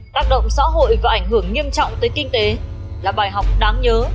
tác động xã hội và ảnh hưởng nghiêm trọng tới kinh tế là bài học đáng nhớ